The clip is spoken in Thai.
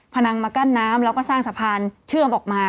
นังมากั้นน้ำแล้วก็สร้างสะพานเชื่อมออกมา